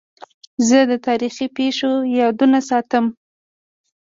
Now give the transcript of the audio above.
زه د تاریخي پېښو یادونه ساتم.